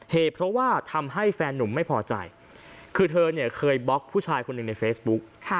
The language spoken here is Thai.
เหตุเพราะว่าทำให้แฟนหนุ่มไม่พอใจคือเธอเนี่ยเคยบล็อกผู้ชายคนหนึ่งในเฟซบุ๊ก